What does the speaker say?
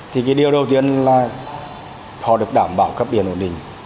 thì cái điều đầu tiên là họ được đảm bảo cấp điện ổn định